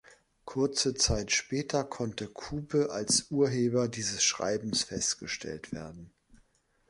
Kurze Zeit später konnte Kube als Urheber dieses Schreibens festgestellt werden.